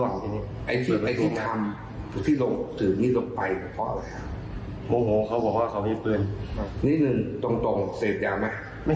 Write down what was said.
ไม่เชี่ยวอ่ะ